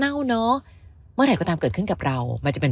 เนอะเมื่อไหร่ก็ตามเกิดขึ้นกับเรามันจะเป็น